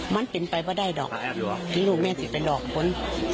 มันติดไปวะได้หรอที่ลูกแม่ติดไปหรอคุณ